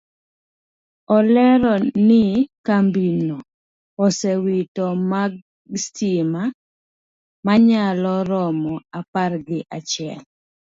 Olero ni kambino osewito dag stima manyalo romo apar gi achiel